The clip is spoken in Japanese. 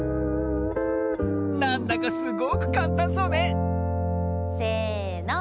なんだかすごくかんたんそうねせの。